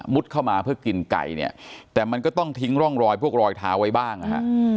เข้ามาเพื่อกินไก่เนี่ยแต่มันก็ต้องทิ้งร่องรอยพวกรอยเท้าไว้บ้างนะฮะ